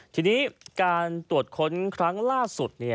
ทีนี้การตรวจค้นครั้งล่าสุด